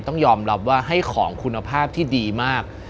ต้องยอมรับว่าให้ของคุณภาพที่ดีมาก